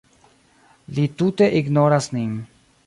Li tute ignoras nin.